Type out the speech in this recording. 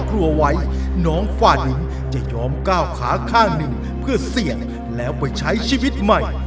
ก้าวขาค่าหนึ่งเพื่อเสียงแล้วไปใช้ชีวิตใหม่